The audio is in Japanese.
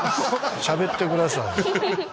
しゃべってください。